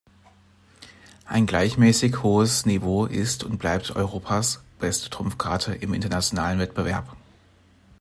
Ein gleichmäßig hohes Niveau ist und bleibt Europas beste Trumpfkarte im internationalen Wettbewerb.